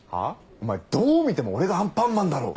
お前どう見ても俺がアンパンマンだろ。